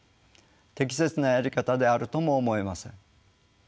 適切なやり方であるとも思えません。